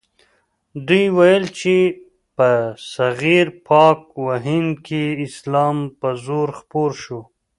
دوی ویل چې برصغیر پاک و هند کې اسلام په زور خپور شو.